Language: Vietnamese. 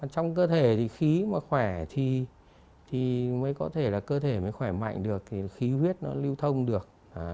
trong cơ thể thì khí mà khỏe thì mới có thể là cơ thể mới khỏe mạnh được thì khí huyết nó lưu thông được